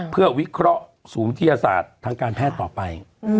เพื่อวิเคราะห์ศูนย์วิทยาศาสตร์ทางการแพทย์ต่อไป